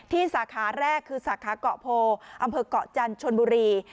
สาขาแรกคือสาขาเกาะโพอำเภอกเกาะจันทร์ชนบุรี